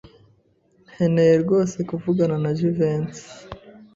Nkeneye rwose kuvugana na Jivency.